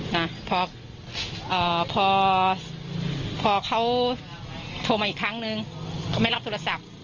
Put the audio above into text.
นะพอพอเขาโทรมาอีกครั้งนึงเขาไม่รับโทรศัพท์